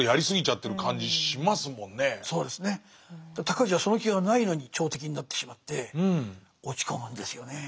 尊氏はその気がないのに朝敵になってしまって落ち込むんですよね。